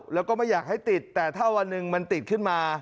แล้วก็ไม่อยากให้ติดแต่ถ้าวันหนึ่งมันติดขึ้นมา